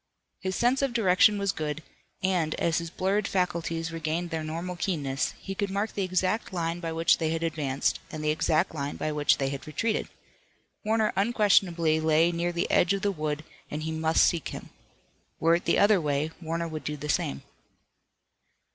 His sense of direction was good, and, as his blurred faculties regained their normal keenness, he could mark the exact line by which they had advanced, and the exact line by which they had retreated. Warner unquestionably lay near the edge of the wood and he must seek him. Were it the other way, Warner would do the same.